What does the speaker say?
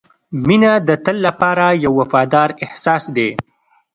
• مینه د تل لپاره یو وفادار احساس دی.